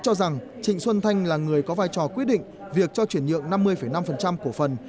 cho rằng trịnh xuân thanh là người có vai trò quyết định việc cho chuyển nhượng năm mươi năm cổ phần